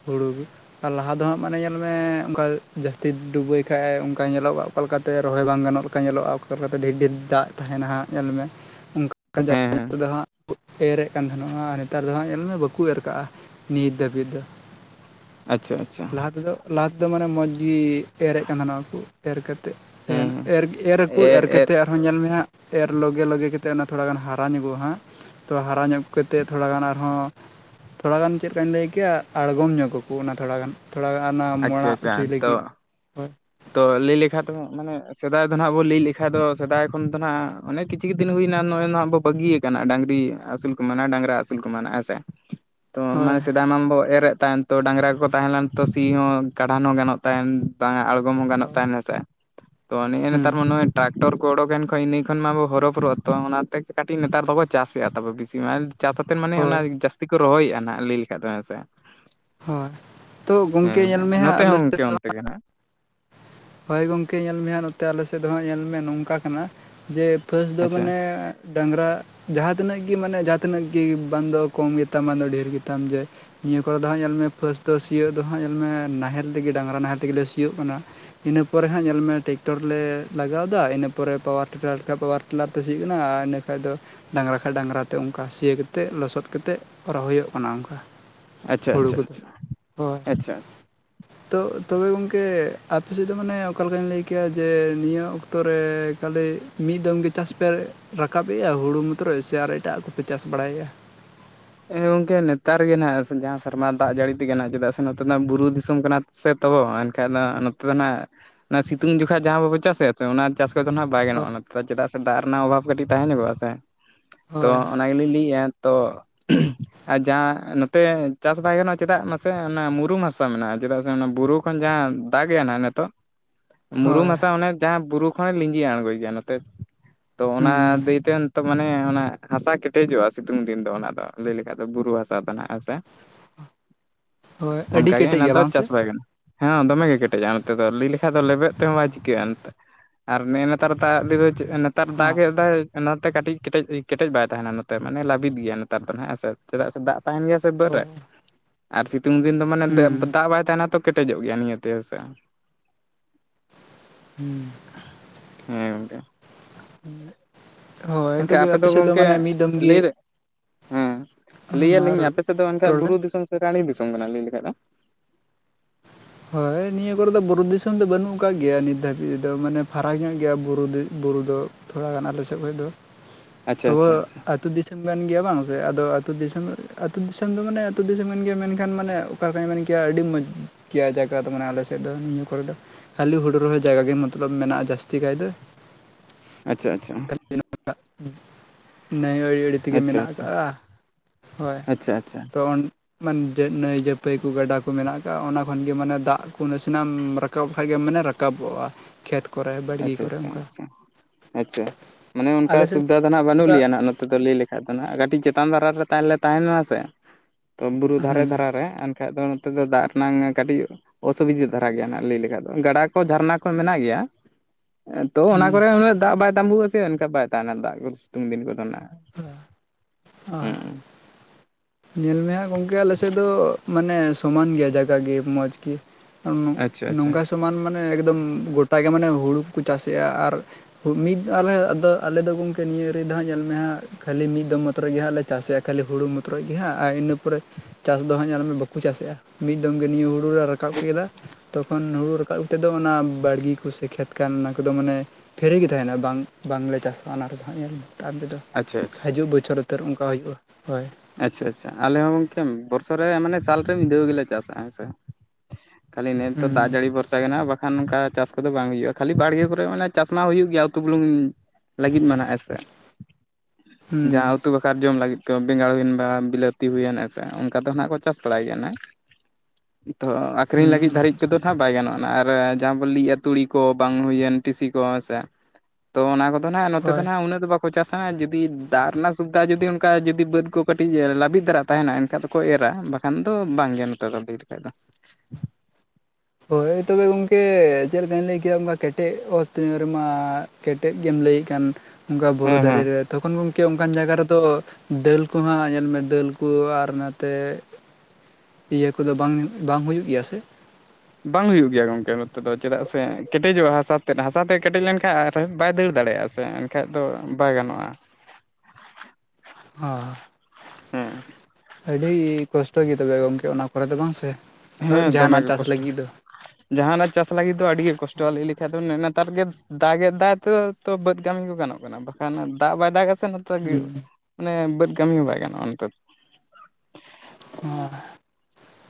ᱦᱩᱲᱩ ᱟᱨ ᱞᱟᱦᱟ ᱫᱚ ᱦᱟᱸᱜ ᱢᱟᱱᱮ ᱧᱮᱞ ᱢᱮ ᱚᱝᱠᱟ ᱡᱟᱹᱥᱛᱤ ᱰᱩᱵᱟᱹᱭ ᱠᱷᱟᱡ ᱮ ᱚᱱᱠᱟ ᱧᱮᱞᱚᱜᱼᱟ᱾ ᱚᱠᱟ ᱞᱮᱠᱟᱛᱮ ᱨᱚᱦᱚᱭ ᱵᱟᱝ ᱜᱟᱱᱚᱜ ᱞᱮᱠᱟ ᱧᱮᱞᱚᱜᱼᱟ ᱚᱠᱟ ᱞᱮᱠᱟᱛᱮ ᱰᱷᱮᱨ ᱰᱷᱮᱨ ᱫᱟᱜ ᱛᱟᱦᱮᱱᱟ ᱦᱟᱸᱜ ᱧᱮᱞ ᱢᱮ ᱚᱱ ᱠᱟᱡᱟᱜ ᱦᱮᱸ ᱧᱚᱜ ᱦᱮᱸ ᱛᱮ ᱫᱚ ᱦᱟᱸᱜ ᱠᱚ ᱮᱨᱮᱫ ᱠᱟᱱ ᱛᱟᱦᱮᱱᱚᱜᱼᱟ᱾ ᱱᱮᱛᱟᱨ ᱫᱚ ᱦᱟᱜᱸ ᱧᱮᱞ ᱢᱮ ᱵᱟᱠᱩ ᱮᱨ ᱠᱟᱜᱼᱟ᱾ ᱱᱤᱛ ᱫᱷᱟᱹᱵᱤᱡ ᱫᱚ ᱟᱪᱪᱷᱟ ᱟᱪᱪᱷᱟ ᱞᱟᱦᱟ ᱛᱮᱫᱚ ᱞᱟᱦᱛᱮ ᱫᱚ ᱢᱟᱱᱮ ᱢᱚᱸᱡᱽ ᱜᱮ ᱮᱨᱮᱫ ᱠᱟᱱ ᱛᱟᱦᱮᱱᱟ ᱠᱩ᱾ ᱮᱨ ᱠᱟᱛᱮᱜ ᱦᱮᱸ ᱮᱨ ᱮᱨᱟᱠᱩ ᱮ ᱮᱨ ᱮ ᱠᱟᱛᱮ ᱟᱨᱦᱚᱸ ᱧᱮᱞ ᱢᱮ ᱦᱟᱸᱜ ᱮᱨ ᱞᱚᱜᱮ ᱞᱚᱜᱮ ᱠᱟᱛᱮᱫ ᱚᱱᱟ ᱛᱷᱚᱲᱟ ᱜᱟᱱ ᱦᱟᱨᱟ ᱧᱚᱜᱚᱜᱼᱟ᱾ ᱦᱟᱸᱜ ᱛᱚ ᱦᱟᱨᱟ ᱧᱚᱜ ᱠᱟᱛᱮᱫ ᱛᱷᱚᱲᱟᱜᱟᱱ ᱟᱨᱦᱚᱸ ᱛᱷᱚᱲᱟ ᱜᱟᱱ ᱪᱮᱫ ᱞᱮᱠᱟᱧ ᱞᱟᱹᱭ ᱠᱮᱭᱟ ᱟᱲᱜᱚᱢ ᱧᱚᱜᱟ ᱠᱚ ᱚᱱᱟ ᱛᱷᱚᱲᱟᱜᱟᱱ᱾ ᱛᱷᱚᱲᱟ ᱟᱱᱟ ᱟᱪᱪᱷᱟ ᱢᱚᱲᱟᱜ ᱟᱪᱪᱷᱟ ᱚᱪᱚᱭ ᱛᱚ ᱞᱟᱹᱜᱤᱫ᱾ ᱦᱳᱭ ᱛᱚ ᱞᱟᱹᱭ ᱞᱮᱠᱷᱟ ᱫᱚ ᱢᱟᱱᱮ ᱥᱮᱫᱟᱭ ᱫᱚ ᱱᱟᱜ ᱵᱚᱱ ᱞᱟᱹᱭ ᱞᱮᱠᱷᱟᱱ ᱫᱚ ᱥᱮᱫᱟᱭ ᱠᱷᱚᱱ ᱫᱚᱦᱱᱟᱜ ᱚᱱᱮᱠ ᱠᱤᱪᱷᱩ ᱫᱤᱱ ᱦᱩᱭᱱᱟ ᱱᱚᱜᱼᱚᱭ ᱱᱟᱦᱜ ᱵᱚ ᱵᱟᱹᱜᱤᱭᱮ ᱠᱟᱱᱟ ᱰᱟᱹᱝᱨᱤ ᱟᱹᱥᱩᱞ ᱠᱚ ᱢᱟᱱᱟ ᱰᱟᱝᱨᱟ ᱟᱹᱥᱩᱞ ᱠᱚ ᱢᱮᱱᱟᱜ-ᱟ᱾ ᱦᱮᱸ ᱥᱮ᱾ ᱛᱚ ᱢᱟᱱᱮ ᱦᱳᱭ ᱥᱮᱫᱟᱭ ᱢᱟ ᱵᱚ ᱮᱨᱮᱫ ᱛᱟᱦᱮᱱ ᱛᱚ ᱰᱟᱝᱨᱟ ᱠᱚ ᱛᱟᱦᱮᱸ ᱞᱮᱱ ᱛᱚ ᱥᱤ ᱦᱚᱸ ᱠᱟᱰᱷᱟᱱ ᱦᱚᱸ ᱜᱟᱱᱚᱜ ᱛᱟᱦᱮᱱ ᱛᱟᱸᱦᱮᱜ ᱟᱬᱜ ᱠᱚᱢ ᱦᱚ ᱜᱟᱱᱚᱜ ᱦᱳᱭ ᱛᱟᱦᱮᱱᱟ ᱥᱮ ᱛᱚ ᱱᱮᱜ ᱦᱩᱸ ᱱᱮᱛᱟᱨ ᱢᱟ ᱱᱚᱜᱼᱚᱭ ᱴᱨᱟᱠᱴᱚᱨ ᱠᱚ ᱚᱰᱚᱠᱮᱱ ᱠᱷᱚᱱ ᱤᱱᱟᱹ ᱠᱷᱚᱱ ᱢᱟᱵᱚ ᱦᱚᱨᱚ ᱵᱚᱨᱚᱜᱼᱟ ᱛᱚ ᱚᱱᱟᱛᱮ ᱠᱟᱹᱴᱤᱡ ᱱᱮᱛᱟᱨ ᱫᱚᱠᱚ ᱪᱟᱥᱮᱜᱼᱟ ᱛᱟᱵᱚ ᱵᱤᱥᱤ ᱢᱟ ᱪᱟᱥ ᱟᱛᱮᱫ ᱢᱟᱱᱮ ᱚᱱᱟ ᱦᱳᱭ ᱡᱟᱹᱥᱛᱤ ᱠᱚ ᱨᱚᱦᱚᱭᱮᱜᱼᱟ ᱱᱟᱜ ᱞᱟᱹᱭ ᱞᱮᱠᱷᱟᱡ ᱫᱚ ᱦᱮᱸᱥᱮ ᱾ ᱦᱳᱭ ᱛᱳ ᱜᱚᱝᱠᱮ ᱧᱮᱞ ᱢᱮ ᱦᱟᱸᱜ ᱟᱞᱮ ᱥᱮᱫ ᱫᱚ ᱛᱮᱜᱮ ᱱᱟᱜ ᱦᱳᱭ ᱜᱚᱝᱠᱮ ᱧᱮᱞ ᱢᱮ ᱦᱟᱸᱜ ᱱᱚᱛᱮ ᱟᱞᱮ ᱥᱮᱫ ᱫᱚ ᱦᱟᱸᱜ ᱧᱮᱞ ᱢᱮ ᱱᱚᱝᱠᱟ ᱠᱟᱱᱟ ᱡᱮ ᱯᱷᱟᱹᱥ ᱫᱚ ᱟᱪᱪᱷᱟ ᱢᱟᱱᱮ ᱰᱟᱝᱨᱟ ᱡᱟᱦᱟᱸ ᱛᱤᱱᱟᱹᱜ ᱜᱮ ᱢᱟᱱᱮ ᱡᱟᱦᱟᱸ ᱛᱤᱱᱟᱹᱜ ᱜᱮ ᱵᱟᱝ ᱫᱚ ᱠᱚᱢ ᱜᱮᱛᱟᱢ ᱵᱟᱝ ᱫᱚ ᱰᱷᱮᱨ ᱜᱮᱛᱟᱢ ᱡᱮ ᱱᱤᱭᱟᱹ ᱠᱚᱨᱮ ᱫᱚ ᱦᱟᱸᱜ ᱧᱮᱞ ᱢᱮ ᱯᱷᱟᱹᱥᱴ ᱫᱚ ᱥᱤᱭᱳᱜ ᱫᱚ ᱦᱟᱸᱜ ᱧᱮᱞ ᱢᱮ ᱱᱟᱦᱮᱞ ᱛᱮᱜᱮ ᱰᱟᱝᱨᱟ ᱱᱟᱦᱮᱞ ᱛᱮᱜᱮᱞᱮ ᱥᱤᱭᱳᱜ ᱠᱟᱱᱟ ᱾ ᱤᱱᱟᱹ ᱯᱚᱨᱮ ᱦᱟᱸᱜ ᱧᱮᱞ ᱢᱮ ᱴᱮᱠᱴᱚᱨ ᱞᱮ ᱞᱟᱜᱟᱣ ᱮᱫᱟ ᱤᱱᱟᱹ ᱯᱚᱨᱮ ᱯᱟᱣᱟᱨ [unintelligible] ᱯᱟᱣᱟᱨ ᱴᱤᱞᱟᱨ ᱛᱮ ᱥᱤ ᱦᱩᱭᱩᱜ ᱠᱟᱱᱟ ᱟᱨ ᱤᱸᱱᱟᱹ ᱠᱷᱟᱡ ᱫᱚ ᱰᱟᱝᱨᱟ ᱠᱷᱟᱡ ᱰᱟᱝᱨᱟ ᱛᱮ ᱚᱝᱠᱟ ᱥᱤᱭᱟᱹ ᱠᱟᱛᱮᱜ ᱞᱚᱥᱚᱜ ᱠᱟᱛᱮᱫ ᱨᱚᱦᱚᱭᱜ ᱠᱟᱱᱟ ᱚᱝᱠᱟ ᱟᱪᱪᱷᱟ ᱦᱩᱲᱩ ᱟᱪᱪᱷᱟ ᱠᱚᱫᱚ ᱟᱪᱪᱷᱟ ᱦᱳᱭ ᱟᱪᱪᱷᱟ ᱟᱪᱪᱷᱟ ᱛᱚ ᱛᱚᱵᱮ ᱜᱚᱝᱠᱮ ᱟᱯᱮ ᱥᱮᱫ ᱫᱚ ᱢᱟᱱᱮ ᱚᱠᱟ ᱞᱮᱠᱟᱧ ᱞᱟᱹᱭ ᱠᱮᱭᱟ ᱡᱮ ᱱᱤᱭᱟᱹ ᱚᱠᱛᱚ ᱨᱮ ᱠᱷᱟᱹᱞᱤ ᱢᱤᱫ ᱫᱚᱢ ᱜᱮ ᱪᱟᱥ ᱯᱮ ᱨᱟᱠᱟᱵᱮᱜᱼᱟ ᱦᱩᱲᱩ ᱢᱚᱛᱨᱚ ᱥᱮ ᱟᱨ ᱮᱴᱟᱜ ᱠᱚᱯᱮ ᱪᱟᱥ ᱵᱟᱲᱟᱭᱮᱜᱼᱟ? ᱦᱮᱸ ᱜᱚᱝᱠᱮ ᱱᱮᱛᱟᱨ ᱜᱮ ᱦᱱᱟᱜ ᱡᱟᱦᱟᱸ ᱥᱮᱨᱢᱟ ᱫᱟᱜ ᱡᱟᱹᱲᱤ ᱛᱮᱜᱮ ᱱᱟᱜ ᱪᱮᱫᱟᱜ ᱥᱮ ᱱᱚᱛᱮ ᱱᱟᱜ ᱵᱩᱨᱩ ᱫᱤᱥᱚᱢ ᱠᱟᱱᱟ ᱥᱮ ᱛᱚ ᱮᱱᱠᱷᱟᱡ ᱫᱚ ᱱᱚᱛᱮ ᱫᱚ ᱱᱟᱜ ᱚᱱᱟ ᱥᱤᱛᱩᱝ ᱡᱚᱠᱷᱟᱡ ᱡᱟᱦᱟᱸ ᱵᱟᱵᱚ ᱪᱟᱥ ᱮᱛ ᱚᱱᱟ ᱪᱟᱥ ᱠᱚᱫᱚ ᱱᱟᱜ ᱵᱟᱭ ᱦᱳᱭ ᱜᱟᱱᱚᱜᱼᱟ ᱪᱮᱫᱟᱜ ᱥᱮ ᱫᱟᱜ ᱨᱮᱱᱟᱜ ᱚᱵᱷᱟᱵᱽ ᱠᱟᱹᱴᱤᱡ ᱛᱟᱦᱮᱸ ᱧᱚᱜᱚᱜᱼᱟ ᱥᱮ ᱛᱚ ᱦᱳᱭ ᱚᱱᱟ ᱜᱮᱞᱤᱧ ᱞᱟᱹᱭᱮᱜᱼᱟ ᱛᱚ ᱟᱨ ᱡᱟᱦᱟᱸ ᱱᱚᱛᱮ ᱪᱟᱥ ᱵᱟᱭ ᱜᱟᱱᱚᱜᱼᱟ ᱪᱮᱫᱟᱜ ᱢᱟᱥᱮ ᱚᱱᱟ ᱢᱩᱨᱩᱢ ᱦᱟᱥᱟ ᱢᱮᱱᱟᱜᱼᱟ ᱪᱮᱫᱟᱜ ᱥᱮ ᱚᱱᱟ ᱵᱩᱨᱩ ᱠᱷᱚᱱ ᱡᱟᱦᱟᱸ ᱫᱟᱜᱮᱭᱟ ᱱᱟᱜ ᱱᱤᱛᱚᱜ ᱢᱩᱨᱩᱢ ᱦᱳᱭ ᱦᱟᱥᱟ ᱚᱱᱮ ᱡᱟᱦᱟᱸ ᱵᱩᱨᱩ ᱠᱷᱚᱱᱮ ᱞᱤᱸᱡᱤ ᱟᱬᱜᱚᱭ ᱜᱮᱭᱟ ᱱᱚᱛᱮ ᱛᱚ ᱚᱱᱟ ᱦᱩᱸ ᱫᱟᱹᱭ ᱛᱮ ᱛᱚ ᱢᱟᱱᱮ ᱚᱱᱟ ᱦᱟᱥᱟ ᱠᱮᱴᱮᱡᱚᱜᱼᱟ ᱥᱤᱛᱩᱝ ᱫᱤᱱ ᱫᱚ ᱚᱱᱟ ᱫᱚ ᱞᱟᱹᱭ ᱞᱮᱠᱷᱟᱡ ᱫᱚ ᱵᱩᱨᱩ ᱦᱟᱥᱟ ᱫᱚ ᱱᱟᱜ ᱾ ᱦᱮᱸ ᱥᱮ ᱦᱳᱭ ᱟᱹᱰᱤ ᱚᱱᱠᱟᱜᱮ ᱠᱮᱴᱮᱡ ᱚᱱᱟ ᱜᱮᱭᱟ ᱫᱚ ᱵᱟᱝ ᱪᱟᱥ ᱥᱮ? ᱵᱟᱭ ᱜᱟᱱᱚᱜ ᱦᱮᱸ ᱫᱚᱢᱮ ᱜᱮ ᱠᱮᱴᱮᱡᱼᱟ ᱱᱚᱛᱮ ᱫᱚ ᱞᱟᱹᱭ ᱞᱮᱠᱷᱟᱡ ᱫᱚ ᱞᱮᱵᱮᱫ ᱛᱮᱦᱚᱸ ᱵᱟᱭ ᱪᱤᱠᱟᱹᱜᱼᱟ ᱱᱚᱛᱮ ᱟᱨ ᱱᱮ ᱱᱮᱛᱟᱨ ᱫᱟᱜ ᱞᱟᱹᱭᱫᱟ ᱪᱮᱫ ᱱᱮᱛᱟᱨ ᱫᱟᱜ ᱦᱮᱸ ᱜᱮᱜ ᱫᱟᱭ ᱚᱱᱟᱛᱮ ᱠᱟᱹᱴᱤᱡ ᱠᱮᱴᱮᱡ ᱠᱮᱴᱮᱡ ᱵᱟᱭ ᱛᱟᱦᱮᱱᱟ ᱱᱚᱛᱮ ᱢᱟᱱᱮ ᱞᱟᱵᱤᱫ ᱜᱮᱭᱟ ᱱᱮᱛᱟᱨ ᱫᱚ ᱱᱟᱜ ᱦᱮᱸᱥᱮ ᱪᱮᱫᱟᱜ ᱥᱮ ᱫᱟᱜ ᱛᱟᱦᱮᱱ ᱜᱮᱭᱟ ᱥᱮ ᱾ ᱥᱮ ᱵᱟᱹᱫᱽ ᱨᱮ ᱦᱳᱭ ᱟᱨ ᱥᱤᱛᱩᱝ ᱫᱤᱱ ᱫᱚ ᱢᱟᱱᱮ ᱫᱟᱜ ᱦᱩᱸ ᱵᱟᱭ ᱛᱟᱦᱮᱱᱟ ᱛᱚ ᱠᱮᱴᱮᱡᱚᱜ ᱜᱮᱭᱟ ᱱᱤᱭᱟᱹᱛᱮ ᱦᱮᱸᱥᱮ ᱾ ᱦᱩᱸ ᱦᱮᱸ ᱜᱚᱝᱠᱮ ᱾ ᱦᱳᱭ ᱛᱚᱵᱮ ᱟᱯᱮ ᱥᱮᱫ ᱫᱚ ᱢᱟᱱᱮ ᱢᱤᱫ ᱫᱚᱢ ᱜᱮ ᱞᱟᱹᱭ ᱦᱮᱸ ᱞᱟᱹᱭ ᱢᱟ ᱟᱹᱞᱤᱧ ᱨᱚᱲ ᱟᱯᱮ ᱥᱮᱫ ᱫᱚ ᱢᱮᱱᱠᱷᱟᱡ ᱨᱚᱲ ᱵᱩᱨᱩ ᱵᱮᱱ ᱫᱤᱥᱚᱢ ᱥᱮ ᱴᱟᱹᱰᱤ ᱫᱤᱥᱚᱢ ᱠᱟᱱᱟ ᱞᱟᱹᱭ ᱞᱮᱠᱷᱟᱡ ᱫᱚ? ᱦᱳᱭ ᱱᱤᱭᱟᱹ ᱠᱚᱨᱮ ᱫᱚ ᱵᱩᱨᱩ ᱫᱤᱥᱚᱢ ᱫᱚ ᱵᱟᱹᱱᱩᱜ ᱟᱠᱟᱜ ᱜᱮᱭᱟ ᱱᱤᱛ ᱫᱷᱟᱹᱵᱤᱡ ᱫᱚ ᱢᱟᱱᱮ ᱯᱷᱟᱨᱟᱠ ᱧᱚᱜ ᱜᱮᱭᱟ ᱵᱩᱨᱩ ᱫᱤᱜ ᱵᱩᱨᱩ ᱫᱚ ᱛᱷᱚᱲᱟ ᱜᱟᱱ ᱟᱞᱮ ᱥᱮᱫ ᱠᱷᱚᱡ ᱫᱚ ᱟᱪᱪᱷᱟ ᱟᱪᱪᱷᱟ ᱛᱚᱵᱮ ᱟᱪᱪᱷᱟ ᱟᱹᱛᱩ ᱫᱤᱥᱚᱢ ᱠᱟᱱ ᱜᱮᱭᱟ ᱵᱟᱝ ᱥᱮ ᱟᱫᱚ ᱟᱹᱛᱩ ᱫᱤᱥᱚᱢ ᱟᱹᱛᱩ ᱫᱤᱥᱚᱢ ᱫᱚ ᱢᱟᱱᱮ ᱟᱹᱛᱩ ᱫᱤᱥᱚᱢᱮᱱ ᱜᱮᱭᱟ ᱢᱮᱱᱠᱷᱟᱱ ᱢᱟᱱᱮ ᱚᱠᱟ ᱠᱟᱧ ᱢᱮᱱ ᱠᱮᱭᱟ ᱟᱹᱰᱤ ᱢᱚᱡᱽ ᱠᱮᱭᱟ ᱡᱟᱠᱟᱛ ᱢᱟᱱᱮ ᱟᱞᱮ ᱥᱮᱫ ᱫᱚ ᱱᱤᱭᱟᱹ ᱠᱚᱨᱮ ᱫᱚ ᱠᱷᱟᱹᱞᱤ ᱦᱩᱲᱩ ᱨᱚᱦᱚᱭ ᱡᱟᱭᱜᱟ ᱜᱮ ᱱᱚᱛᱮ ᱫᱚ ᱢᱮᱱᱟᱜ-ᱟ ᱡᱟᱹᱥᱛᱤ ᱠᱟᱭ ᱫᱚ ᱾ ᱟᱪᱷᱟ ᱟᱪᱷᱟ ᱾ [unintelligible] ᱱᱟᱹᱭ ᱟᱲᱭᱟᱹ ᱟᱲᱭᱟᱹ ᱛᱮᱜᱮ ᱟᱪᱪᱷᱟ ᱢᱮᱱᱟᱜ ᱟᱪᱪᱷᱟ ᱟᱠᱟᱜᱼᱟ ᱦᱳᱭ ᱟᱪᱪᱷᱟ ᱟᱪᱪᱷᱟ ᱛᱚ ᱚᱱ ᱢᱟᱱᱮ ᱱᱟᱹᱭ ᱡᱟᱹᱯᱟᱹᱭ ᱠᱚ ᱜᱟᱰᱟ ᱠᱚ ᱢᱮᱱᱟᱜ ᱟᱠᱟᱜ ᱚᱱᱟ ᱠᱷᱚᱱ ᱜᱮ ᱢᱟᱱᱮ ᱫᱟᱜ ᱠᱚ ᱱᱟᱥᱮᱱᱟᱜ ᱮᱢ ᱨᱟᱠᱟᱵ ᱠᱷᱟᱱ ᱜᱮ ᱢᱟᱱᱮ ᱨᱟᱠᱟᱵᱚᱜᱼᱟ ᱠᱷᱮᱛ ᱠᱚᱨᱮ ᱵᱟᱲᱜᱮ ᱟᱪᱪᱷᱟ ᱠᱚᱨᱮ ᱟᱪᱪᱷᱟ ᱚᱱᱠᱟ ᱟᱪᱪᱷᱟ ᱟᱪᱪᱷᱟ ᱢᱟᱱᱮ ᱚᱱᱠᱟ ᱟᱞᱮ ᱥᱮᱫ ᱥᱩᱠ ᱫᱚ ᱟᱫᱚ ᱱᱟᱜ ᱵᱟᱹᱱᱩᱜ ᱚᱱᱠᱟ ᱞᱮᱭᱟ ᱱᱟᱜ ᱱᱚᱛᱮ ᱫᱚ ᱞᱟᱹᱭ ᱞᱮᱠ ᱮᱱᱠᱷᱟᱡ ᱫᱚ ᱱᱟᱜ ᱠᱟᱹᱴᱤᱡ ᱪᱮᱛᱟᱱ ᱫᱷᱟᱨᱟ ᱨᱮ ᱛᱟᱦᱮᱞᱮ ᱛᱟᱦᱮ ᱞᱮᱱᱟ ᱥᱮ ᱛᱚ ᱵᱩᱨᱩ ᱦᱩᱸ ᱫᱷᱟᱨᱮ ᱫᱷᱟᱨᱟ ᱨᱮ ᱮᱱᱠᱷᱟᱡ ᱫᱚ ᱱᱚᱛᱮ ᱫᱚ ᱫᱟᱜ ᱨᱮᱱᱟᱜᱝ ᱠᱟᱹᱴᱤᱡ ᱚᱥᱩᱵᱤᱫᱟ ᱫᱷᱟᱨᱟ ᱜᱮᱭᱟ ᱱᱟᱜ ᱞᱟᱹᱭ ᱞᱮᱠᱷᱟᱡ ᱫᱚ ᱜᱟᱰᱟ ᱠᱚ ᱡᱷᱟᱨᱱᱟ ᱠᱚ ᱢᱮᱱᱟᱜ ᱜᱮᱭᱟ ᱾ ᱛᱚ ᱚᱱᱟ ᱦᱩᱸ ᱠᱚᱨᱮ ᱩᱱᱟᱹᱜ ᱫᱟᱜ ᱵᱟᱭ ᱛᱟᱢᱵᱩᱜᱼᱟ ᱥᱮ ᱮᱱᱠᱷᱟᱱ ᱵᱟᱭ ᱛᱟᱦᱮᱱᱟ ᱫᱟᱜ ᱠᱚ ᱥᱤᱛᱩᱝ ᱫᱤᱱ ᱠᱚᱫᱚ ᱱᱟᱜ ᱾ ᱦᱩᱸ ᱧᱮᱞ ᱢᱮᱦᱟᱸᱜ ᱜᱚᱢᱠᱮ ᱟᱞᱮ ᱥᱮᱫ ᱫᱚ ᱢᱟᱱᱮ ᱥᱚᱢᱟᱱ ᱜᱮᱭᱟ ᱡᱟᱭᱜᱟ ᱜᱮ ᱢᱚᱸᱡᱽ ᱜᱮ᱾ ᱱᱚ ᱟᱪᱪᱷᱟ ᱟᱪᱪᱷᱟ ᱱᱚᱝᱠᱟ ᱥᱚᱢᱟᱱ ᱢᱟᱱᱮ ᱮᱠᱫᱚᱢ ᱜᱚᱴᱟ ᱜᱮ ᱢᱟᱱᱮ ᱦᱩᱲᱩ ᱠᱚᱠᱚ ᱪᱟᱥᱮᱜᱼᱟ ᱟᱨ ᱢᱤᱫ ᱟᱞᱮ ᱟᱫᱚ ᱟᱞᱮ ᱫᱚ ᱜᱚᱢᱠᱮ ᱱᱤᱭᱟᱹ ᱨᱮᱫᱚ ᱦᱟᱸᱜ ᱧᱮᱞ ᱢᱮ ᱦᱟᱸᱜ ᱠᱷᱟᱹᱞᱤ ᱢᱤᱫ ᱫᱚᱢ ᱢᱚᱛᱨᱚᱡ ᱜᱮ ᱦᱟᱸᱜ ᱞᱮ ᱪᱟᱥᱮᱫᱼᱟ, ᱠᱷᱟᱹᱞᱤ ᱦᱩᱲᱩ ᱢᱚᱛᱨᱚᱡ ᱜᱮ ᱦᱟᱸᱜ ᱟᱨ ᱤᱱᱟᱹ ᱯᱚᱨᱮ ᱪᱟᱥ ᱫᱚ ᱦᱟᱸᱜ ᱧᱮᱞ ᱢᱮ ᱵᱟᱠᱚ ᱪᱟᱥᱮᱜᱼᱟ, ᱢᱤᱫ ᱫᱚᱢ ᱜᱮ ᱱᱤᱭᱟᱹ ᱦᱩᱲᱩ ᱞᱮ ᱨᱟᱠᱟᱵ ᱠᱮᱫᱟ᱾ ᱛᱚᱠᱷᱚᱱ ᱦᱩᱲᱩ ᱨᱟᱠᱟᱵ ᱠᱟᱛᱮᱫ ᱫᱚ ᱚᱱᱟ ᱵᱟᱲᱜᱮ ᱠᱚᱥᱮ ᱠᱷᱮᱛ ᱠᱟᱱ ᱚᱱᱟ ᱠᱚᱫᱚ ᱢᱟᱱᱮ ᱯᱷᱮᱨᱤ ᱜᱮ ᱛᱟᱸᱦᱮᱱᱟ ᱵᱟᱝ ᱵᱟᱝᱞᱮ ᱪᱟᱥᱟ ᱚᱱᱟ ᱨᱮᱫᱚ ᱦᱟᱸᱜ ᱧᱮᱞ ᱢᱮ᱾ ᱟᱪᱪᱷᱟ [unintelligible] ᱟᱪᱪᱷᱟ ᱦᱤᱡᱩᱜ ᱵᱚᱪᱷᱚᱨ ᱩᱛᱟᱹᱨ ᱚᱱᱠᱟ ᱦᱩᱭᱩᱜᱼᱟ ᱦᱳ᱾ ᱟᱪᱪᱷᱟ ᱟᱪᱪᱷᱟ ᱟᱞᱮ ᱦᱚᱸ ᱜᱚᱢᱠᱮ ᱵᱚᱨᱥᱚ ᱨᱮ ᱢᱟᱱᱮ ᱥᱟᱞ ᱨᱮ ᱢᱤᱫ ᱫᱷᱟᱹᱣ ᱜᱮᱞᱮ ᱪᱟᱥᱟ ᱦᱮᱸᱥᱮ᱾ ᱠᱷᱟᱹᱞᱤ ᱱᱤᱛ ᱫᱚ ᱫᱟᱜ ᱦᱩᱸ ᱡᱟᱹᱲᱤ ᱵᱷᱚᱨ ᱥᱟᱜᱼᱟ ᱵᱟᱠᱷᱟᱱ ᱚᱱᱠᱟ ᱪᱟᱥ ᱠᱚᱫᱚ ᱵᱟᱝ ᱦᱩᱭᱩᱜᱼᱟ, ᱠᱷᱟᱹᱞᱤ ᱵᱟᱲᱜᱮ ᱠᱚᱨᱮ ᱟᱱᱮ ᱪᱟᱥ ᱢᱟ ᱦᱩᱭᱩᱜ ᱜᱮᱭᱟ ᱩᱛᱩ ᱵᱩᱞᱩᱝ᱾ ᱞᱟᱹᱜᱤᱫ ᱢᱮᱱᱟᱜ ᱦᱮᱸᱥᱮ, ᱦᱩᱸ, ᱡᱟᱸᱦᱟ ᱩᱛᱩ ᱵᱟᱠᱷᱟᱨ ᱡᱚᱢ ᱞᱟᱹᱜᱤᱫ ᱛᱮ᱾ ᱵᱮᱜᱟᱲ ᱦᱩᱭᱮᱱ ᱵᱟ ᱵᱤᱞᱟᱹᱛᱤ ᱦᱩᱭᱮᱱ ᱦᱮᱸᱥᱮ ᱚᱱᱠᱟ ᱫᱚ ᱱᱟᱜ ᱠᱚ ᱪᱟᱥ ᱵᱟᱲᱟᱭ ᱜᱮᱭᱟ ᱱᱟᱜ᱾ ᱛᱚ ᱟᱹᱠᱷᱨᱤᱧ ᱞᱟᱹᱜᱤᱫ ᱦᱩᱸ, ᱫᱷᱟᱹᱨᱤᱡ ᱠᱚᱫᱚ ᱱᱟᱜᱷ ᱵᱟᱭ ᱜᱟᱱᱚᱜᱼᱟ ᱱᱟᱜᱷ, ᱟᱨ ᱡᱟᱸᱦᱟ ᱵᱚᱱ ᱞᱟᱹᱭᱜᱼᱟ ᱛᱩᱲᱤ ᱠᱚ ᱵᱟᱝ ᱦᱩᱭᱮᱱ ᱴᱤᱥᱤ ᱠᱚ ᱦᱮᱸᱥᱮ᱾ ᱛᱚ ᱚᱱᱟ ᱠᱚᱫᱚ ᱦᱟᱸᱜ ᱱᱚᱛᱮ ᱫᱚ ᱦᱳᱭ, ᱦᱟᱸᱜ ᱩᱱᱟᱹᱜ ᱫᱚ ᱵᱟᱠᱚ ᱪᱟᱥᱟ ᱡᱩᱫᱤ ᱫᱟᱜ ᱨᱮᱱᱟᱜ ᱥᱩᱵᱤᱫᱷᱟ ᱡᱩᱫᱤ ᱚᱱᱠᱟ ᱡᱩ ᱡᱩᱫᱤ ᱵᱟᱹᱫᱽ ᱠᱚ ᱠᱟᱹᱴᱤᱡ ᱞᱟᱵᱤᱫ ᱫᱷᱟᱨᱟ ᱛᱟᱸᱦᱮᱱᱟ ᱮᱱᱠᱷᱟ ᱫᱚᱠᱚ ᱮᱨᱟ, ᱵᱟᱠᱷᱟᱱ ᱫᱚ ᱵᱟᱝ ᱜᱮ ᱱᱚᱛᱮ ᱫᱚ ᱞᱟᱹᱭ ᱞᱮᱠᱷᱟᱡ ᱫᱚ᱾ ᱦᱳᱭ ᱛᱚᱵᱮ ᱜᱚᱢᱠᱮ ᱪᱮᱫ ᱞᱮᱠᱟᱹᱧ ᱞᱟᱹᱭ ᱠᱮᱜᱼᱟ ᱚᱱᱠᱟ ᱠᱮᱴᱮᱡ ᱚᱛ ᱨᱮᱢᱟ ᱠᱮᱴᱮᱡ ᱜᱮᱢ ᱞᱟᱹᱭᱮᱫ ᱠᱟᱱ ᱚᱱᱠᱟ ᱵᱩᱨᱩ ᱦᱮᱸ ᱫᱟᱨᱮ ᱦᱮᱸ ᱨᱮ ᱛᱚᱠᱷᱚᱱ ᱜᱚᱢᱠᱮ ᱚᱱᱠᱟᱱ ᱡᱟᱭᱜᱟ ᱨᱮᱫᱚ ᱫᱟᱹᱞ ᱠᱚᱦᱟᱸᱜ ᱧᱮᱞᱢᱮ ᱫᱟᱹᱞ ᱠᱚ ᱟᱨ ᱱᱟᱛᱮ ᱤᱭᱟᱹ ᱠᱚᱫᱚ ᱵᱟᱝ ᱵᱟᱝ ᱦᱩᱭᱩᱜ ᱜᱮᱭᱟ ᱥᱮ᱾ ᱵᱟᱝ ᱦᱩᱭᱩᱜ ᱜᱮᱭᱟ ᱜᱚᱢᱠᱮ ᱱᱚᱛᱮ ᱫᱚ, ᱪᱮᱫᱟᱜ ᱥᱮ ᱠᱮᱴᱮᱡᱚᱜᱼᱟ ᱦᱟᱥᱟ ᱛᱮᱫ ᱦᱟᱥᱟᱛᱮ ᱠᱮᱴᱮᱡ ᱞᱮᱱᱠᱷᱟᱡᱽ ᱟᱨᱚᱸ ᱵᱟᱭ ᱫᱟᱹᱲ ᱫᱟᱲᱮᱭᱟᱜᱼᱟ ᱥᱮ᱾ ᱥᱮ ᱮᱱᱠᱷᱟᱡ ᱫᱚ ᱵᱟᱭ ᱜᱟᱱᱚᱜᱼᱟ᱾ ᱦᱟᱸ ᱦᱮᱸ ᱟᱹᱰᱤ ᱠᱚᱥᱴᱚ ᱜᱮ ᱛᱚᱵᱮ ᱜᱚᱢᱠᱮ᱾ ᱚᱱᱟ ᱠᱚᱨᱮ ᱫᱚ ᱵᱟᱝ ᱥᱮ ᱡᱟᱸᱦᱟᱱᱟᱜ ᱪᱟᱥ ᱞᱟᱹᱜᱤᱫ ᱫᱚ᱾ [unintelligible] ᱡᱟᱸᱦᱟᱱᱟᱜ ᱪᱟᱥ ᱞᱟᱹᱜᱤᱫ ᱫᱚ ᱟᱹᱰᱤᱜᱮ ᱠᱚᱥᱴᱚᱜᱼᱟ ᱞᱟᱹᱭ ᱞᱮᱠᱷᱟᱡ ᱫᱚ ᱱᱮᱛᱟᱨ ᱜᱮ ᱫᱟᱜᱮᱫᱟᱭ ᱛᱚ ᱛᱚ ᱵᱟᱹᱫᱽ ᱠᱟᱹᱢᱤ ᱠᱚ ᱜᱟᱱᱚᱜ ᱠᱟᱱᱟ᱾ ᱵᱟᱠᱷᱟᱱ ᱫᱟᱜ ᱵᱟᱭ ᱫᱟᱜᱼᱟ ᱥᱮ ᱱᱚᱛᱮ ᱜᱮ ᱦᱩᱸ ᱢᱟᱱᱮ ᱵᱟᱹᱫᱽ ᱠᱟᱹᱢᱤ ᱦᱚᱸ ᱵᱟᱭ ᱜᱟᱱᱚᱜᱼᱟ ᱚᱱᱛᱮ᱾ [unintelligible]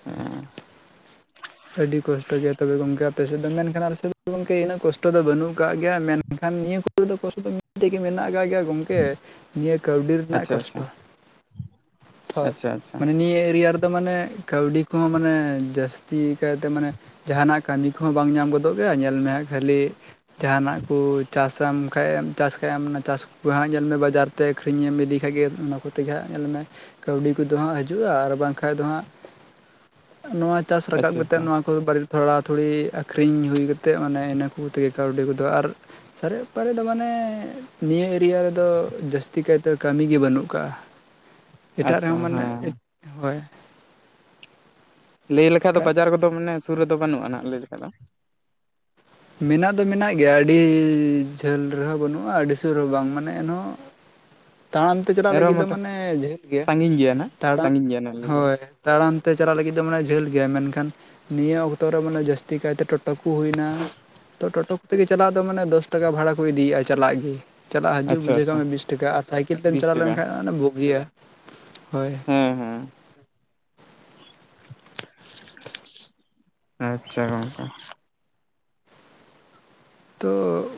ᱦᱩᱸ [inaudible] ᱟᱹᱰᱤ ᱠᱚᱥᱴᱚ ᱜᱮᱭᱟ ᱛᱚᱵᱮ ᱜᱚᱢᱠᱮ ᱟᱯᱮ ᱥᱮᱫ ᱫᱚ ᱢᱮᱱᱠᱷᱟᱱ ᱟᱞᱮᱥᱮᱫ ᱫᱚ ᱜᱚᱢᱠᱮ ᱩᱱᱟᱹᱜ ᱠᱚᱥᱴᱚ ᱫᱚ ᱵᱟᱹᱱᱩᱜ ᱠᱟᱜ ᱜᱮᱭᱟ, ᱢᱮᱱ ᱮᱱᱠᱷᱟᱱ ᱱᱤᱭᱟᱹ ᱠᱚᱨᱮ ᱫᱚ ᱠᱚᱥᱴᱚ ᱫᱚ ᱢᱤᱫᱴᱮᱡ ᱜᱮ ᱢᱮᱱᱟᱜ ᱟᱠᱟᱫ ᱜᱮᱭᱟ ᱜᱚᱝ ᱮ ᱱᱤᱭᱟᱹ ᱠᱟᱹᱣᱰᱤ ᱨᱮᱱᱟᱜ ᱟᱪᱪᱷᱟ ᱟᱪᱪᱷᱟ ᱠᱚᱥᱴᱚ᱾ ᱦᱳᱭ, ᱟᱪᱪᱷᱟ ᱟᱪᱪᱷᱟ ᱢᱟᱱᱮ ᱱᱤᱭᱟᱹ ᱮᱨᱤᱭᱟ ᱨᱮᱫᱚ ᱢᱟᱱᱮ ᱠᱟᱹᱣᱰᱤ ᱠᱚᱦᱚᱸ ᱢᱟᱱᱮ ᱡᱟᱹᱥ ᱛᱤ ᱠᱟᱭᱛᱮ ᱢᱟᱱᱮ ᱡᱟᱸᱦᱟᱱᱟᱜ ᱠᱟᱹᱢᱤ ᱠᱚᱦᱚᱸ ᱵᱟᱝ ᱧᱟᱢ ᱜᱚᱫᱚᱜ ᱜᱮᱭ, ᱟ ᱧᱮᱞᱢᱮᱦᱟᱸᱜ ᱠᱷᱟᱹᱞᱤ ᱡᱟᱸᱦᱟᱱᱟᱜ ᱠᱚ ᱪᱟᱥᱟᱢ ᱠᱷᱟᱡ ᱪᱟᱥ ᱠᱷᱟᱢ ᱚᱱᱟ ᱪᱟᱥ [unintelligible] ᱧᱮᱞᱢᱮ ᱵᱟᱡᱟᱨ ᱛᱮ ᱟᱹᱠᱷᱨᱤᱧ ᱮᱢ ᱤᱫᱤ ᱠᱷᱟᱡ ᱜᱮ ᱚᱱᱟ ᱠᱚᱛᱮ ᱜᱮ ᱦᱟᱸᱜ ᱧᱮᱞᱢᱮ ᱠᱟᱹᱣᱰᱤ ᱠᱚᱫᱚ ᱦᱟᱸᱜ ᱦᱤᱡᱩᱜᱼᱟ ᱟᱨ ᱵᱟᱝᱠᱷᱟᱡᱽ ᱫᱚ ᱦᱟᱸᱜ ᱱᱚᱣᱟ ᱪᱟᱥ ᱨᱟᱠᱟᱵ ᱠᱟᱛᱮᱜ ᱟᱪᱪᱷᱟ ᱟᱪᱪᱷᱟ ᱱᱚᱣᱟ ᱵᱟᱨᱮ ᱛᱷᱚᱲᱟ ᱛᱷᱩᱲᱤ ᱟᱠᱷᱨᱤᱧ ᱦᱩᱭ ᱠᱟᱛᱮᱫ ᱢᱟᱱᱮ ᱤᱱᱟᱹ ᱠᱚ ᱛᱮᱜᱮ ᱠᱟᱹᱣᱰᱤ ᱠᱚᱫᱚ᱾ ᱟᱨ ᱥᱟᱨᱮᱡ ᱯᱟᱨᱮᱡᱽ ᱫᱚ ᱢᱟᱱᱮ ᱱᱤᱭᱟᱹ ᱮᱨᱤᱭᱟ ᱨᱮᱫᱚ ᱡᱟᱹᱥᱛᱤ ᱠᱟᱭᱛᱮ ᱠᱟᱹᱢᱤ ᱜᱮ ᱵᱟᱹᱱᱩᱜ ᱟᱠᱟᱜᱼᱟ᱾ [unintelligible] ᱮᱴᱟᱜ ᱨᱮᱸᱦᱚ ᱢᱟᱱᱮ ᱦᱮᱸ ᱦᱳᱭ᱾ ᱞᱟᱹᱭ ᱞᱮᱠᱷᱟᱡ ᱫᱚ ᱵᱟᱡᱟᱨ ᱠᱚᱫᱚ ᱢᱟᱱᱮ ᱥᱩᱨ ᱨᱮᱫᱚ ᱵᱟᱹᱱᱩᱜᱼᱟ ᱱᱟᱜᱷ ᱞᱟᱹᱭ ᱞᱮᱠᱷᱟᱡ ᱫᱚ᱾ ᱢᱮᱱᱟᱜ ᱫᱚ ᱢᱮᱱᱟᱜ ᱜᱮᱭᱟ ᱟᱹᱰᱤ ᱡᱷᱟᱹᱞ ᱨᱮᱸᱦᱚ ᱵᱟᱹᱱᱩᱜᱼᱟ ᱟᱹᱰᱤ ᱥᱩᱨ ᱨᱮᱸᱦᱚ ᱵᱟᱝ ᱢᱟᱱᱮ ᱮᱱᱦᱚᱸ ᱛᱟᱲᱟᱢ ᱛᱮ ᱪᱟᱞᱟᱜ ᱮᱱᱨᱮᱦᱚᱸ ᱞᱟᱹᱜᱤᱫ ᱫᱚ ᱢᱚᱴᱟ ᱢᱟᱱᱮᱻ ᱡᱷᱟᱹᱞ ᱜᱮᱭᱟ, ᱥᱟᱺᱜᱤᱧ ᱱᱟᱜ ᱛᱟᱲᱟᱢ ᱥᱟᱺᱜᱤᱧ ᱜᱮᱭᱟ ᱱᱟᱜ ᱞᱟᱹᱭ ᱫᱚ᱾ ᱦᱳᱭ᱾ ᱛᱟᱲᱟᱢ ᱛᱮ ᱪᱟᱞᱟᱜ ᱞᱟᱹᱜᱤᱫ ᱫᱚ ᱢᱟᱱᱮ ᱡᱷᱟᱹᱞ ᱜᱮᱭᱟ ᱢᱮᱱᱠᱷᱟᱱ ᱱᱤᱭᱟᱹ ᱚᱠᱛᱚ ᱨᱮ ᱢᱟᱱᱮ ᱡᱟᱹᱥᱛᱤ ᱠᱟᱭᱛᱮ ᱴᱳ ᱴᱳ ᱠᱚ ᱦᱩᱭᱱᱟ ᱴᱳᱴᱳ ᱠᱚ ᱛᱮᱜᱮ ᱪᱟᱞᱟᱜ ᱫᱚ ᱢᱟᱱᱮ ᱫᱚᱥ ᱴᱟᱠᱟ ᱵᱷᱟᱲᱟ ᱠᱚ ᱤᱫᱤᱭᱮᱫᱼᱟ ᱪᱟᱞᱟᱜ ᱜᱮ᱾ ᱪᱟᱞᱟᱜ ᱦᱤᱡᱩᱜ ᱟᱪᱪᱷᱟ ᱵᱩᱡᱷᱟᱹᱣ ᱟᱪᱪᱷᱟ ᱠᱟᱜ ᱢᱮ ᱵᱤᱥ ᱴᱟᱠᱟ ᱟᱨ ᱥᱟᱭᱠᱮᱞ ᱛᱮᱢ ᱵᱤᱥ ᱪᱟᱞᱟᱣ ᱴᱟᱠᱟ ᱞᱮᱱᱠᱷᱟᱱ ᱚᱱᱟ ᱵᱩᱜᱤᱭᱟ ᱦᱳᱭ᱾ ᱦᱩᱸ ᱦᱩᱸ᱾ ᱟᱪᱪᱷᱟ ᱜᱚᱢᱠᱮ᱾ ᱛᱚᱻ